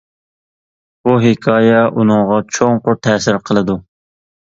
بۇ ھېكايە ئۇنىڭغا چوڭقۇر تەسىر قىلىدۇ.